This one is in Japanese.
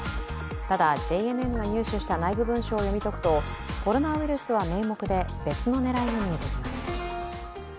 ただ、ＪＮＮが入手した内部文書を読み解くとコロナウイルスは名目で別の狙いも見えてきます。